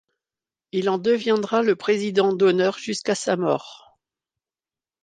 Il en deviendra le président d’honneur jusqu’à sa mort.